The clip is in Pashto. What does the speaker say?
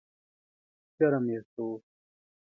جرم یې څه و؟